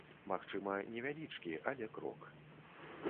Магчыма, невялічкі, але крок.